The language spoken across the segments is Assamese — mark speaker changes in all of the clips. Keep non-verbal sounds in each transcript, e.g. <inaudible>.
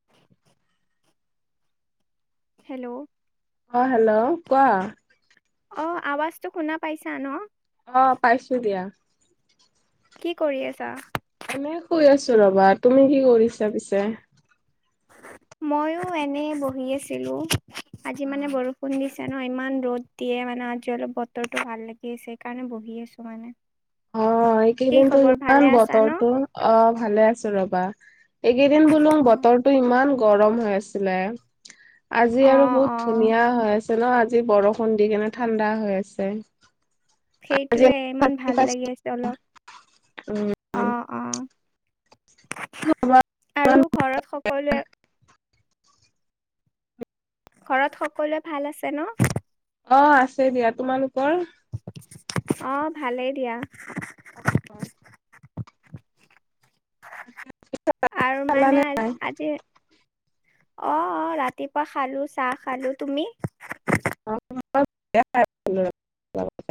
Speaker 1: <inaudible> হেল্ল'।
Speaker 2: অ', হেল্ল' কোৱা?
Speaker 1: অ', আৱাজ টো শুনা পাইছা ন?
Speaker 2: অ', পাইছো দিয়া।
Speaker 1: কি কৰি আছা?
Speaker 2: এনে শুই আছো ৰবা। তুমি কি কৰিছা পিছে?
Speaker 1: ময়ো এনে বহি আছিলোঁ আজি মানে বৰষুণ দিছিল জান ইমান ৰ'দ দিয়ে মানে আজি অলপ বতৰটো ভাল লাগি আছে সেইকাৰণে বহি আছো মানে।
Speaker 2: অ'
Speaker 1: কি
Speaker 2: এইকেইদিনতো
Speaker 1: খবৰ ভালে
Speaker 2: ইমান
Speaker 1: আছা ন?
Speaker 2: বতৰটো অ' ভালে আছো ৰবা। এইকেইদিন বোলো
Speaker 1: অ
Speaker 2: বতৰটো ইমান গৰম হৈ আছ আজি আৰু
Speaker 1: অ
Speaker 2: বহুত ধুনীয়া হৈ ন, আজি বৰষুণ দি কেনে ঠাণ্ডা হৈ আছে। আজি
Speaker 1: সেইটোৱে ইমান ভাল লাগি আছে অলপ।
Speaker 2: উম
Speaker 1: অ', অ'।
Speaker 2: <unintelligible>
Speaker 1: আৰু ঘৰত সকলোৱে ঘৰত সকলোৱে ভাল আছে ন?
Speaker 2: অ', আছে দিয়া তোমালোকৰ?
Speaker 1: অ', ভালেই দিয়া।
Speaker 2: অ', <unintelligible>
Speaker 1: আৰু মানে
Speaker 2: খালানে
Speaker 1: আজি অ অ ৰাতিপুৱা খালো চাহ খালো তুমি
Speaker 2: অ লাগে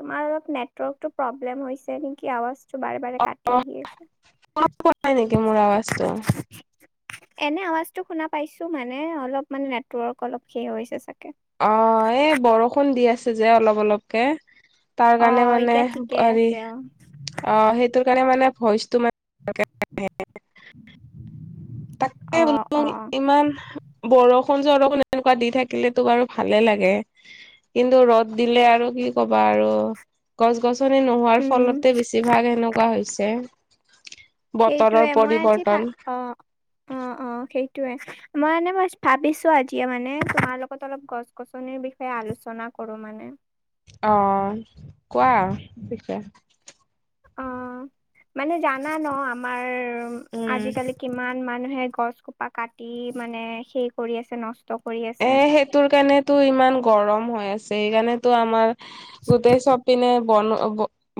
Speaker 1: তোমাৰ অলপ নেটৱৰ্কতটো প্ৰব্লেম হৈছে নেকি আৱ বাৰে বাৰে কাটি গিয়ছে
Speaker 2: নেকি মোৰ আৱাজটো
Speaker 1: এনে আৱাজতটো শুনা পাইছো মানে অলপ মান নেটৱৰ্ক অলপ শেষ হৈছে চাগে
Speaker 2: অ এই বৰষুণ দি আছে যে অলপ অলপকে তাৰ
Speaker 1: অ
Speaker 2: কাৰণে মানে
Speaker 1: এতিয়া ঠিকে
Speaker 2: হেৰি
Speaker 1: আছে
Speaker 2: অ সেইটোৰ কাৰণে মানে ভইচো মান তাকে
Speaker 1: অ
Speaker 2: বোলো
Speaker 1: অ
Speaker 2: ইমান বৰষুণ চৰষুণ এনেকুৱা দি থাকিলেেতো বাৰু ভালে লাগে কিন্তু ৰ'দ দিলে আৰু কি কবা আৰু গছ গছনি নোহোৱাৰ
Speaker 1: উম
Speaker 2: ফলতে বেছিভাগ এেনেকুৱা হৈছে
Speaker 1: সেইটয়ে
Speaker 2: বতৰৰ
Speaker 1: মই আজি ভ
Speaker 2: পৰিৱৰ্তন
Speaker 1: অ অ অেই সেইটোয়ে মই মানে মই ভাবিছো আজিয়ে মানে তোমাৰ লগত অলপ গছ গছনিৰ বিষয় আলোচনা কৰো মানে
Speaker 2: অ কোৱা পষ
Speaker 1: অ মানে জানা ন আমাৰ
Speaker 2: উম
Speaker 1: আজিকালি কিমান মানুহে গছ কোপা কাটি মানে সেই কৰি আছে নষ্ট কৰি
Speaker 2: এ
Speaker 1: আছে
Speaker 2: সেইটোৰ কাৰণেতো ইমান গৰম হৈ আছে সেইকাৰণেতো আমাৰ গোটেই চপি নে বন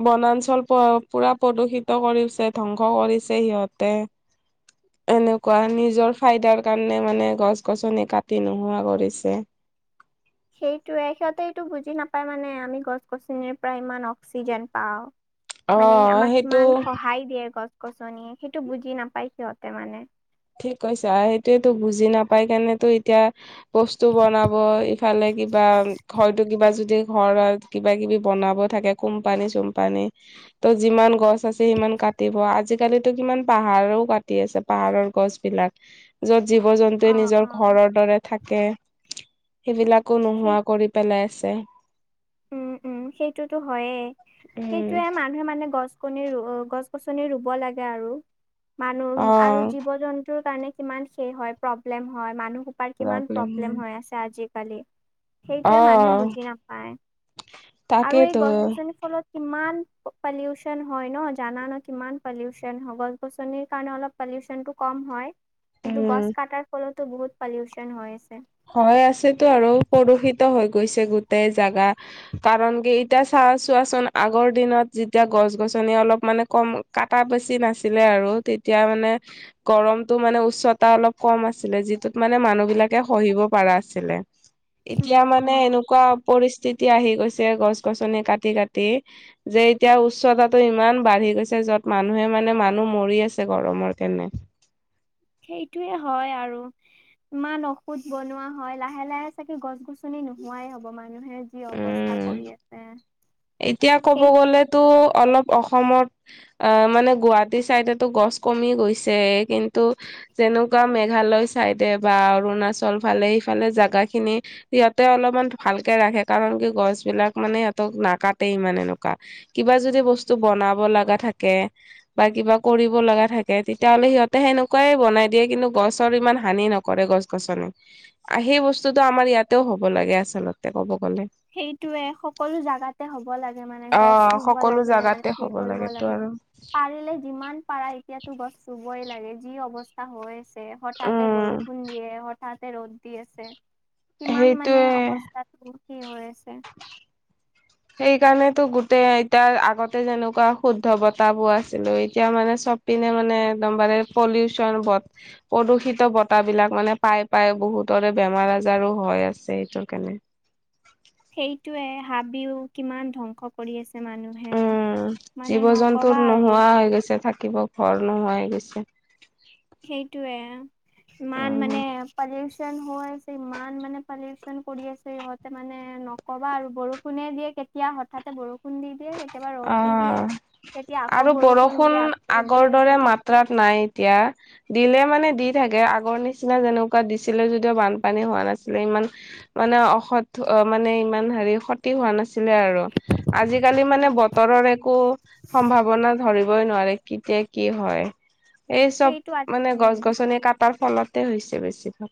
Speaker 2: বনাঞ্চল প পুৰা প্ৰদূষিত কৰিছে ধ্বংস কৰিছে সিহঁতে এনেকুৱা নিজৰ ফাইদাৰ কাৰণে মানে গছ গছনি কাটি নোহোৱা কৰিছে
Speaker 1: সেইটোয়ে সিহঁতে এইটো বুজি নাপায় মানে আমি গছ গছনিৰ পৰা ইমান অক্সিজেন পাওঁ
Speaker 2: অ
Speaker 1: মানে আমাক
Speaker 2: সেইটো
Speaker 1: কিমান সহায় দিয়ে গছ গছনিয়ে সেইটো বুজি নাপায় সিহঁতে মানে
Speaker 2: ঠিক কৈছে সেইটোয়েতো বুজি নাপাই কাৰণেতো এতিয়া বস্তু বনাব ইফালে কিবা হয়তো কিবা যদি ঘৰত কিবা কিবি বনাব থাকে কোম্পানী চোম্পানী ত' যিমান গছ আছে সিমান কাটিব আজিকালিো কিমান পাহাৰও কাটি আছে পাহাৰৰ গছ বিলাক যত জীৱ জন্তুৱে
Speaker 1: অ',
Speaker 2: নিজৰ
Speaker 1: অ'।
Speaker 2: ঘৰৰ দৰে থাকে সেইবিলাকো
Speaker 1: সেই
Speaker 2: নোহোৱা কৰি পেলাই আছে
Speaker 1: উম উম সেইটোতো হয়ে
Speaker 2: উম
Speaker 1: সেইটোয়ে মান মানুহে মানে গছ কনি ৰু গছ গছনি ৰুব লাগে আৰু
Speaker 2: অ
Speaker 1: মানুহ আৰু জীৱ জন্তুৰ কাৰণে কিমান শেষ হয় প্ৰব্লেম হয় মানুহ কাৰ কিমান প্ৰব্লেম হৈ আছে আজিকালি
Speaker 2: অ
Speaker 1: সেইটোৱেই মানুহে বুজি নাপায় আৰু এই
Speaker 2: তাকেইতো
Speaker 1: গছ গছনিৰ ফলত কিমান পলিউচন হয় ন জানা ন কিমান পলিউশন হয় গছ গছনিৰ কাৰণে অলপ পলিউশন টো কম হয় কিন্তু গছ
Speaker 2: উম
Speaker 1: কটাৰ ফলতো বহুত পলিউচন হৈ আছে
Speaker 2: হয় আছেতো আৰু পদূষিত হৈ গৈছে গোটেই জাগা কাৰণ কি এতিয়া চাই চোৱাচোন আগৰ দিনত যেতিয়া গছ গছনি অলপ মানে কম কাটা বেছি নাছিলে আৰু তেতিয়া মানে গৰমতটো মানে উচ্চতা অলপ কম আছিলে যিটোত মানে মানুহ বিলাকে সহিব পাৰা আছিলে, এতিয়া
Speaker 1: উম
Speaker 2: মানে
Speaker 1: উম
Speaker 2: এনেকুৱা পৰিস্থিতি আহি গৈছে, গছ গছনি কাটি কাটি যে এতিয়া উচ্চতাটো ইমান বাঢ়ি গৈছে যত মানুহে মানে মানুহ মৰি আছে গৰমৰ কাৰনে
Speaker 1: সেইটোৱে হয় আৰু ইমান ঔষুধ বনোৱা হয়, লাহে লাহে চাগে গছ গছনি নোহোৱাই হ'ব মানুহে যি অৱস্থা
Speaker 2: উম
Speaker 1: কৰি আছে সেই
Speaker 2: তটো অলপ অসমত আহ মানে গুৱাহাটী চাইডো গছ কমি গৈছে কিন্তু যেনেকুৱা মেঘালয় চাইডে বা অৰুণাচল ফালে সফালে জোগা খিনি সিহঁতে অলপমান ভালকে ৰাখে কাৰণ কি গছ বিলাক মানে সিহঁতক নাকাটে ইমান এনেকুৱা কিবা যদি বস্তু বনাব লগা থাকে বা কিবা কৰিব লগা থাকে তেতিয়াাহ'লে সিহঁতে সেনেকুৱাই বনাই দিয়ে কিন্তু গছৰ ইমান হানি নকৰে গছ ছ সেই বস্তুতটো আমাৰ ইয়াতেও হব লাগে আচল্ত কব গ'লে
Speaker 1: সেইটোয়ে সকলো জাগাতে হ'ব লাগে মানে
Speaker 2: অ
Speaker 1: গছ ৰুব
Speaker 2: সকলো
Speaker 1: লাগে মানে
Speaker 2: জাগাতে
Speaker 1: সে
Speaker 2: হ'ব
Speaker 1: কৰিব
Speaker 2: লাগেতো
Speaker 1: লাগে
Speaker 2: আৰু
Speaker 1: পাৰিলে যিমান পাৰায় এতিয়াতো গছ ৰুবই লাগে যি অৱস্থা হৈ আছে হঠাতে
Speaker 2: উম
Speaker 1: বৰষুণ দিয়ে হঠাতে ৰ'দ কিমান মানে
Speaker 2: সেইটোয়ে
Speaker 1: অৱস্থাত কি হৈ আছে
Speaker 2: সেইকাৰণেতো গোটেই এতিাৰ আগতে যেনেকুৱা শুদ্ধ বতাবোৰ আছিলো এতিয়া মানে চব পিনে মানে একদমবাৰে পলিউচন বথ প্ৰদূষিত বত বিলাক মানে পাই পাই বহুতৰে বেমাৰ আজাৰো হয় আছে, এইটো কাৰণে
Speaker 1: সেইটোৱে, হাবিও কিমান ধ্বংস কৰে কৰি আছে মা
Speaker 2: উম, জীৱ জন্তুৰ
Speaker 1: আৰু
Speaker 2: নোহোৱা হৈ গৈছে থাকিব ঘৰ নোহোৱা হৈ গৈছে
Speaker 1: সেইটয়ে ইমান
Speaker 2: উম
Speaker 1: মানে পলিউশন হয় ইমান মানে, পলিউচন কৰি আছে সিহঁতে মানে ক'বা আৰু বৰষুণে দিয়ে কেতিয়া, হঠাতে বৰষুণ খু দি দিয়ে, কেতিয়াবা ৰ'দ দি দিয়ে
Speaker 2: অ
Speaker 1: কেতিয়া আকৌ
Speaker 2: আৰু
Speaker 1: বৰষুণ দিয়ে আকৌ ৰ'দ দি আছে
Speaker 2: যাত্ৰাত নাই এতিয়া দিলে মানে দি থাকে, আগৰ নিচিনা যেনেকুৱা দিছিলে, যদিও বানপানী হোৱা নাছিলে ইমান মানে অসৎ অ, মানে ইমান হেৰি ক্ষতি হোৱা নাছিলে আৰু আজি আজিকালি মানে,
Speaker 1: উম
Speaker 2: বতৰৰ একো সম্ভাৱনা ধৰিবই নোৱাৰে কেতিয়া কি হয় এই চব
Speaker 1: সেইটো
Speaker 2: মানে, গছ
Speaker 1: উম
Speaker 2: গছনি কাটাৰ ফলতে হৈছে বেছিভাগ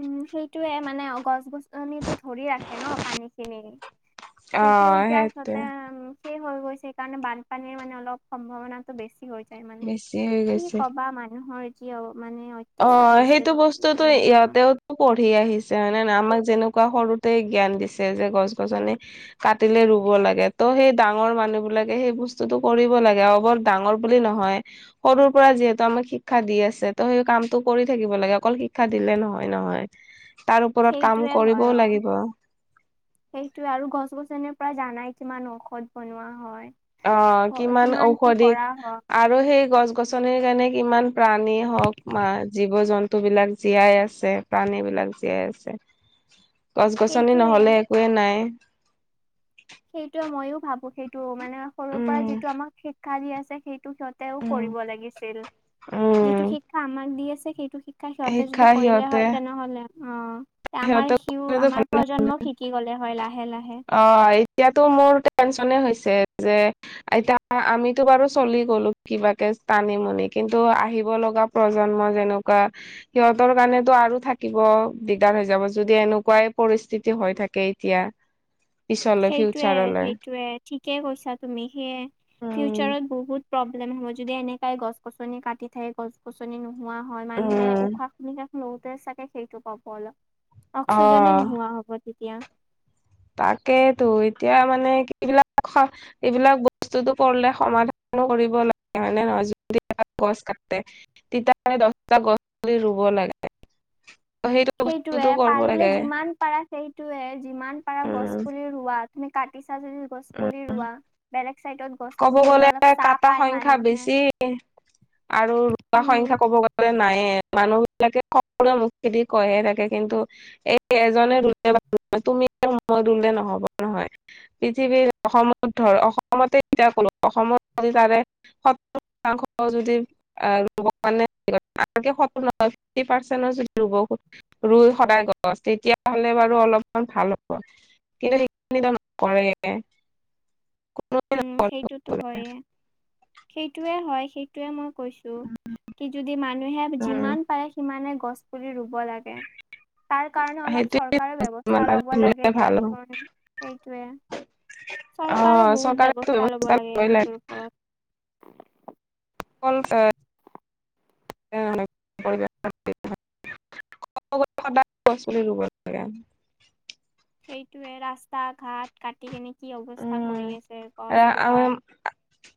Speaker 1: উম, সেইটোয়ে মানে গছ গছ টো ধৰি ৰাখে ন পানী খিনি,
Speaker 2: অ
Speaker 1: সেইটো
Speaker 2: সেইটোৱে
Speaker 1: এতিয়ািতে শেষ হৈ গৈ সেইকাৰণে বানপানীৰ মানে অলপ সম্ভাৱনা বেছি হৈ যায় মানে,
Speaker 2: বেছি হৈ
Speaker 1: কি
Speaker 2: গৈছে।
Speaker 1: কবা মানুহৰ যি অ মানে
Speaker 2: অ,
Speaker 1: অত্যাচাৰ হৈছে
Speaker 2: সেইটো
Speaker 1: গছ
Speaker 2: বস্তুতো
Speaker 1: গছনিৰ ওপৰত,
Speaker 2: ইয়াতেও পঢ়ি আহিছে হয়ে নয় আমাক যেনেকুৱা সৰুতে জ্ঞান দিছে, যে গছ গছনি কাটিলে ৰুব লাগে ত' সেই ডাঙৰ মানুহ বিলাকে সেই বস্তুতটো কৰিব লাগে, অ', ডাঙৰ বুলি নহয় সৰুৰ পৰা যিহেতু আমাক শিক্ষা দি আছে ত সেই কাম পো পৰি থাকিব লাগে অকল শিক্ষা দিলে নহয় নহয় তাৰ ওপৰত কাম
Speaker 1: সেইটোয়ে হয়
Speaker 2: কৰিবও
Speaker 1: অ
Speaker 2: লাগিব
Speaker 1: সেইটোৱে আৰু গছ গছনে পৰা জানাই কিমান ঔষধ বনোৱা হয়
Speaker 2: অ',
Speaker 1: হ-
Speaker 2: কিমান
Speaker 1: কি
Speaker 2: ঔষধি
Speaker 1: কৰা হয়
Speaker 2: আৰু সেই গছ গছনিৰ কাৰণে, কিমান প্ৰাণী হওক, জীৱ জন্তুবিলাক জীয়াই আছে পানী বিলাক জীয়াই আছে গছ গছনি
Speaker 1: সেইটোৱে
Speaker 2: নহলে একোৱে নাই
Speaker 1: সেইটোৱে ময়ো ভাবো সেইটো মানে, সৰুৰ পৰা
Speaker 2: উম
Speaker 1: যিটো আমাক শিক্ষা দি আছে সেইটো ক তেওঁও কৰিব লাগিছিল
Speaker 2: উম
Speaker 1: যিটো শিক্ষা আমাক দি আছে সেইটো শিক্ষা সিহঁতে যদি কৰিলে হয়, তেনেহলে অ', আমাৰ
Speaker 2: সিহঁতে
Speaker 1: সিও আমাৰ
Speaker 2: ভাল।
Speaker 1: প্ৰজন্মক শিকি গলে হয় লাহে, লাহে।
Speaker 2: অ, এতিয়াতো মোৰ টেনচনে হৈছে যে এতিয়া আমিতো বাৰু চলি গলো কিবাকে টানিমুনি কিন্তু আহিব লগা প্ৰজন্ম যেনেকুৱা সিহতৰ কাৰণেতো আৰু থাকিব। দিগদাৰ হৈ যাব যদি এনেকুৱাই পৰিস্থিতি হৈ থাকে এতিয়া। পিছলৈ
Speaker 1: সেইটয়ে,
Speaker 2: ফিউচাৰলৈ
Speaker 1: সেইটোয়ে ঠিকেই কৈছা তুমি সেয়ে
Speaker 2: উম
Speaker 1: ফিউচাৰত বহুত প্ৰব্লেম হ'ব যদি এনেকাই গছ-গছনি কাটি থাক গছ সুচনি নোহোৱা হয় মানুহে
Speaker 2: উম
Speaker 1: উশাহ, নিশাহক লওঁতে চাগে সেইটো কাব অলপ
Speaker 2: অ
Speaker 1: অক্সিজেনে নোহোৱা হ'ব তেতিয়া।
Speaker 2: তাকেইেতো এতিয়া মানে এইবিলাক এইবিলাক বস্তুটো পঢ়িলে সমাধানো কৰিব লাগে হয়নে নহয় যদি গছ কাটে তিতা দহটা গছি ৰুব লাগে। সেইটো
Speaker 1: সেইটোৱে
Speaker 2: বস্তুটো কৰিব
Speaker 1: পাৰিলে
Speaker 2: লাগে
Speaker 1: যিমান পাৰা সেইটোয়ে যিমান পাৰা গছ
Speaker 2: উম
Speaker 1: পুলি ৰোৱাত তুমি কাটিছা যদি গছ পুলি
Speaker 2: উম
Speaker 1: ৰুৱা বেলেগ চাইডত গছ
Speaker 2: ক'ব
Speaker 1: পুলি ৰোৱা
Speaker 2: গ'লে
Speaker 1: অলপ চাহ
Speaker 2: কাটা
Speaker 1: পায়
Speaker 2: সংখ্যা
Speaker 1: মানুহে
Speaker 2: বেছি আৰু ৰোৱা
Speaker 1: উম
Speaker 2: সংখ্যা ক'ব গ'লে নায়ে মানুহ বিলাকে সকলোৱৰে মুখ খেদি কয়হে থাকে কিন্তু এ, এজনে ৰুলে তুমি মই ৰুলে নহব নহয়। পৃথিৱীৰ অসমত ধৰ অসমতে এতিয়া কলো অসমত তাৰে সতাংশ যদি ৰুব মানে পাৰ্চ যব ৰুই সদায় গছ তেতিয়া হ'লে বাৰু অলপমান ভাল হ'ব। কিন্তু সেইখিনিত নকৰে কোন
Speaker 1: উম সেইটোতো হয়য়ে, সেইটোয়ে হয়, সেইটোয়ে মই কৈছো কি যদি মানুহে
Speaker 2: উম
Speaker 1: যিমান পাৰে সিমানে গছ পুলি ৰুব লাগে। তাৰ কাৰণে অলপ
Speaker 2: সেইটোৱে
Speaker 1: চৰকাৰৰ
Speaker 2: যিমান
Speaker 1: ব্যৱস্থা
Speaker 2: পাৰে
Speaker 1: ল'ব
Speaker 2: ৰুলে
Speaker 1: লাগে
Speaker 2: ভাল হ'ব
Speaker 1: দিয়াচোন সেইটোয়ে।
Speaker 2: অ
Speaker 1: চৰকাৰৰ বহুত
Speaker 2: চৰকাৰে এইটো
Speaker 1: ব্যৱস্থা ল'ব লাগে
Speaker 2: লবই
Speaker 1: সেইটোৰ ওপৰত।
Speaker 2: <unintelligible> সদায় ৰুব লাগে।
Speaker 1: সেইটোৱে ৰাস্তা ঘাট কাটি কেনে কি অৱস্থা
Speaker 2: উম
Speaker 1: কৰি আছে গছ
Speaker 2: আ
Speaker 1: জোপাৰ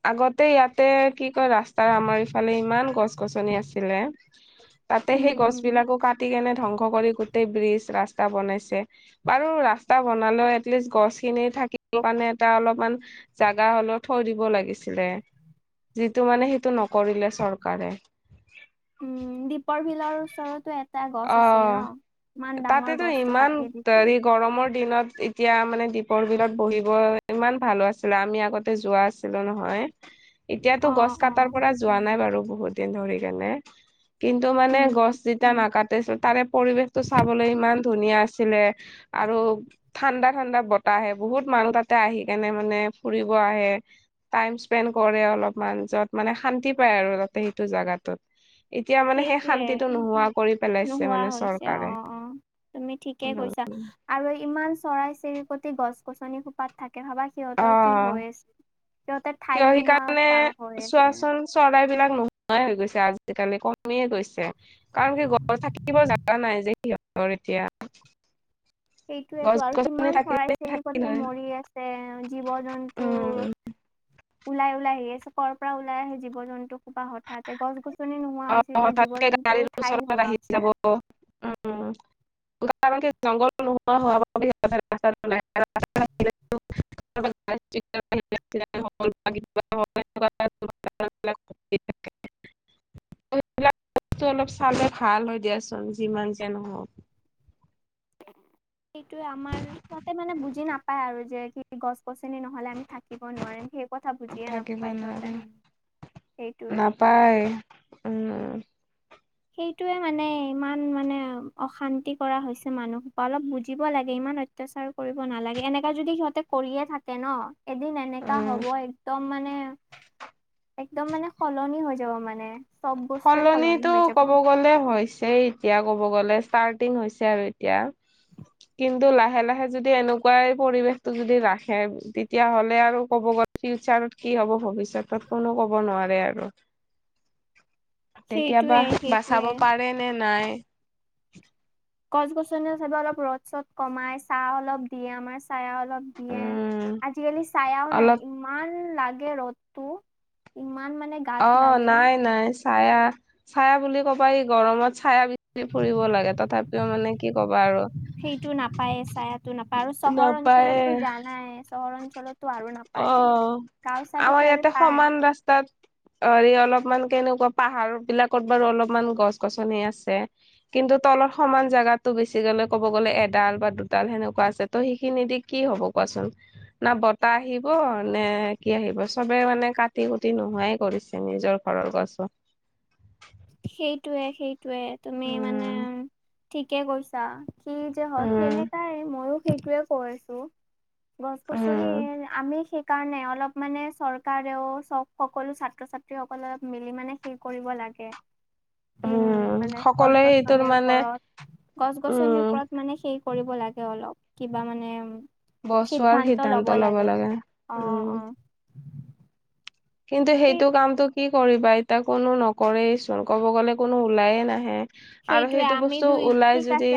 Speaker 2: আগতে ইয়াতে কি কয় ৰাস্তাৰ আমাৰ ইফালে ইমান গছ-গছনি আছিলে।
Speaker 1: <inaudible>
Speaker 2: তাতে সেই গছ
Speaker 1: উম
Speaker 2: বিলাকো কাটি কেনে ধ্বংস কৰি গোটেই ব্ৰিজ ৰাস্তা বনাইছে বাৰু ৰাস্তা বনালেও এটলিষ্ট গছ খিনি থাকি সমানে এটা অলপমান জাগা হলেও থৈ দিব লাগিছিলে। টো মানে সেইটো নকৰিলে চৰকাৰে।
Speaker 1: উম, দ্বীপৰ বিলৰ ওচৰতো এটা গছ আছিল
Speaker 2: অ'
Speaker 1: ন। ইমান ডাঙৰ
Speaker 2: তাতেতো
Speaker 1: গছটো
Speaker 2: ইমান
Speaker 1: কাটি দিছিল
Speaker 2: গৰমৰ দিনত এতিয়া মানে দীপৰ বিলত বহিব ইমান ভালো আছিলে আমি আগতে যোৱা আছিলোঁ নহয়। এতিয়াতো
Speaker 1: অ
Speaker 2: গছ
Speaker 1: অ
Speaker 2: কাটাৰ পৰা যোৱা নাই বাৰু বহুত দিন ধৰি কেনে কিন্তু মানে
Speaker 1: উম
Speaker 2: গছ যেতিয়া নাকাটিছিল তাৰে পৰিবেশ টো চাবলৈ ইমান ধুনীয়া আছে। আছিলে আৰু ঠাণ্ডা, ঠাণ্ডা বতাহে বহুত মানুহ তাতে আহি কেনে মানে ফুৰিব আহে। টাইম স্পেণ্ড কৰে অলপমান য'ত মানে শান্তি পায় আৰু তাতে সেইটো জেগাটোত এতিয়া মানে সেই
Speaker 1: সেইটোয়ে।
Speaker 2: শান্তিটো নোহোৱা কৰি পেলাইছে
Speaker 1: নোহোৱা
Speaker 2: মানে
Speaker 1: হৈছে অ
Speaker 2: চৰকাৰে।
Speaker 1: অ তুমি ঠিকে কৈছা আৰু ইমান চৰাই, চিৰিকতি গছ-গছনি খু পাত থাকে ভাবা সিহঁতৰ কি
Speaker 2: অ'
Speaker 1: হৈ আছে সিহঁতে
Speaker 2: কিয়
Speaker 1: ঠাই নোহোৱা
Speaker 2: সেইকাৰণে
Speaker 1: প হৈ আছে।
Speaker 2: চোৱাচোন চৰাই বিলাক নোহোৱাই হৈ গৈছে আজিকালি কমিয়ে গৈছে। কাৰণ কি ঘৰত থাকিব জা নাই যে সিহঁতৰ এতিয়া গছ
Speaker 1: সেইটোয়েটো আৰু
Speaker 2: গছনি
Speaker 1: কিমান
Speaker 2: থাকিলে থাকিল
Speaker 1: চৰাই-চিৰিকতি
Speaker 2: হয়।
Speaker 1: মৰি আছে। তে জীৱ, জন্তুৰ
Speaker 2: উম,
Speaker 1: ওলাই, ওলাই আহিব। কৰ পৰা ওলাই আহে জীৱ জন্তু হোপা হঠাতে গছ গছ <unintelligible> নোহোৱা হৈছে
Speaker 2: অ'
Speaker 1: এতিয়া জীৱ
Speaker 2: হঠাৎকে
Speaker 1: জন্তু
Speaker 2: গাড়ীৰ
Speaker 1: থাই
Speaker 2: ওচৰত
Speaker 1: নোহোৱা
Speaker 2: আহি
Speaker 1: হৈছে।
Speaker 2: যাব। উম, উম। <unintelligible> <unintelligible> এনেকুৱা দুৰ্ঘটনাবিলাক ঘটি থাকে। <unintelligible> অলপ চালে ভাল হয় দিয়াচোন যিমান যে নহক।
Speaker 1: সেইটোয়ে আমাৰ সিহঁতে মানে বুজি নাপায় আৰু যে কি গছ <unintelligible> নহ'লে আমি থাকিব নোৱাৰিম সেই কথা বুজিয়ে
Speaker 2: থাকিব
Speaker 1: নাপায় সিহঁতে, সেইটোৱে।
Speaker 2: পায় উম।
Speaker 1: সেইটোৱে মানে ইমান মানে অশান্তি কৰা হৈছে মানুহক বা অলপ বুজিব লাগে ইমান অত্যাচাৰ কৰিব নালাগে এনেককা যদি সিহঁতে কৰিয়ে থাকে ন'। এদিন এনেকা
Speaker 2: উম।
Speaker 1: হ'ব একদম মানে একদম মানে সলনি হৈ যাব মানে চব বস্তুৱে সলনি
Speaker 2: সলনিটো
Speaker 1: হৈ যা
Speaker 2: ক'ব গ'লে হৈছে এতিয়া ক'ব গ'লে ষ্টাৰ্টিং হৈছে আৰু এতিয়া। কিন্তু লাহে লাহে যদি এনেকুৱাই পৰিৱেশটো যদি ৰাখে তেতিয়াহ'লে আৰু ক'ব গ'লে ফিউচাৰত কি হ'ব ভৱিষ্যতত কোনো ক'ব নোৱাৰে আৰু। তেতিয়াবা
Speaker 1: সেইটোৱে
Speaker 2: বাচাব
Speaker 1: সেইটোৱে
Speaker 2: পাৰে নে নাই।
Speaker 1: গছ গছনি চাপে অলপ ৰ'দ চদ কমাই ছাঁহ অলপ দিয়ে আমাৰ ছাঁহে অলপ দিয়ে,
Speaker 2: উম
Speaker 1: আজিকালি ছাঁয়াও নাই ই
Speaker 2: অলপ
Speaker 1: ইমান লাগে ৰ'দতটো, ইমান মানে গাত
Speaker 2: অ'
Speaker 1: লাগে
Speaker 2: নাই নাই। ছায়া, ছায়া বুলি ক'বা ই গৰমত ছায়া বি ফুৰিব লাগে তথাপি <unintelligible> কি ক'বা আৰু।
Speaker 1: সেইটো নাপায় ছায়াতো নাপায় আৰু চহৰ
Speaker 2: নাপায়ে
Speaker 1: অঞ্চলতো জানাই চহৰ অঞ্চলত
Speaker 2: অ' আমাৰ
Speaker 1: তথাপি
Speaker 2: ইয়াতে
Speaker 1: পায়
Speaker 2: সমান ৰাস্তাত হেৰি অলপমান কেনেকুৱা পাহাৰ বিলাকত বাৰু অলপমান গছ গছনি আছে। কিন্তু তলৰ সমান জোগাতটো বেছি ক'লে ক'ব গ'লে এডাল বা দুডাল সেনেকুৱা আছে। ত' সেইখিনি দি কি হ'ব কোৱাচোন, না বত <unintelligible> আহিব নে কি আহিব চবে মানে কাটি কুটি নোহোৱাই কৰিছে নিজৰ ঘৰৰ গছো।
Speaker 1: সেইটোৱে সেইটোৱে তুমি মানে
Speaker 2: উম
Speaker 1: ঠিকে কৈছা। কি যে হয়
Speaker 2: উম
Speaker 1: সেনেকাই ময়ো সেইটোৱে কৈছোঁ। গছ গছনি আমি সেই কাৰণে অলপ মানে চৰকাৰেও চব সকলো ছাত্ৰ ছাত্ৰীসকললে মিলি মানে সেই কৰিব লাগে। কিন
Speaker 2: উম
Speaker 1: মানে গছ
Speaker 2: সকলোৱে সেইটোৰ
Speaker 1: গছনিৰ
Speaker 2: মানে
Speaker 1: ওপৰত গছ গছনিৰ
Speaker 2: উম
Speaker 1: ওপৰত মানে সেই কৰিব লাগে অলপ কিবা মানে। সিদ্ধান্ত ল'ব লাগে।
Speaker 2: উম
Speaker 1: অ', অ'।
Speaker 2: কিন্তু
Speaker 1: সেই
Speaker 2: সেইটো কামটো কি কৰিবা এতিয়া কোনো নকৰেই চোন ক'ব গ'লে কোনো ওলায়ে নাহে। আৰু
Speaker 1: সেইটোৱে
Speaker 2: সেইটো
Speaker 1: আমি
Speaker 2: বস্তু
Speaker 1: দুই
Speaker 2: ওলাই
Speaker 1: ঠিক
Speaker 2: যদি
Speaker 1: আছে